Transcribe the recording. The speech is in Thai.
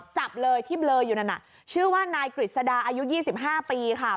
จับเลยที่เบลออยู่นั่นน่ะชื่อว่านายกฤษดาอายุ๒๕ปีค่ะ